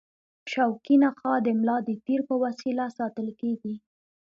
شوکي نخاع د ملا د تیر په وسیله ساتل کېږي.